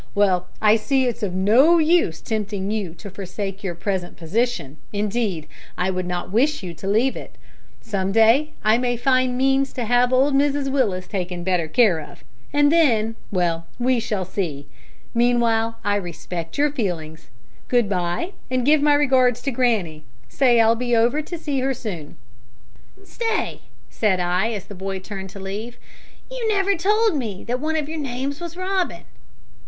"Well, I see it's of no use tempting you to forsake your present position indeed, I would not wish you to leave it. Some day I may find means to have old Mrs Willis taken better care of, and then well, we shall see. Meanwhile, I respect your feelings. Good bye, and give my regards to granny. Say I'll be over to see her soon." "Stay," said I, as the boy turned to leave, "you never told me that one of your names was Robin."